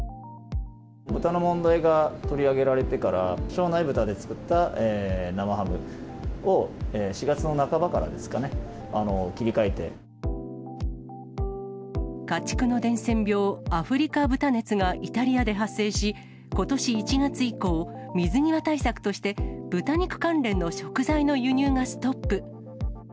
豚の問題が取り上げられてから、庄内豚で作った生ハムを、４月の半ばからですかね、家畜の伝染病、アフリカ豚熱がイタリアで発生し、ことし１月以降、水際対策として、豚肉関連の食材の輸入がストップ。